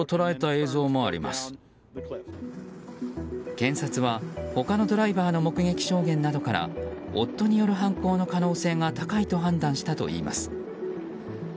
検察は、他のドライバーの目撃証言などから夫による犯行の可能性が高いと判断したといいます。